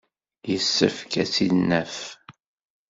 Yessefk ad tt-id-naf.